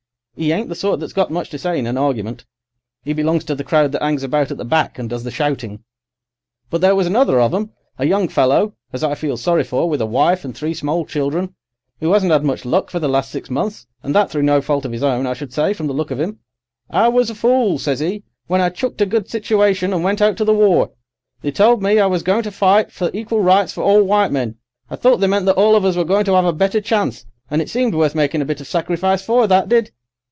'E ain't the sort that's got much to say in an argument. 'E belongs to the crowd that 'angs about at the back, and does the shouting. But there was another of 'em, a young fellow as I feels sorry for, with a wife and three small children, who 'asn't 'ad much luck for the last six months; and that through no fault of 'is own, I should say, from the look of 'im. 'I was a fool,' says 'e, 'when I chucked a good situation and went out to the war. They told me I was going to fight for equal rights for all white men. I thought they meant that all of us were going to 'ave a better chance, and it seemed worth making a bit of sacrifice for, that did.